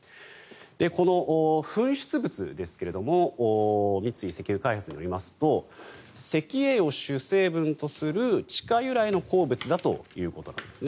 この噴出物ですが三井石油開発によりますと石英を主成分とする地下由来の鉱物だということです。